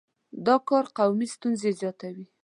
دا کار قومي ستونزې زیاتوي.